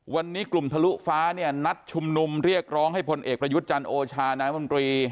วันนี้กลุ่มทะลุฟ้าเนี่ยนัดชุมนุมเรียกร้องให้พลเอกประยุทธ์จันทร์โอชานายมนตรี